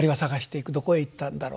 どこへいったんだろうという。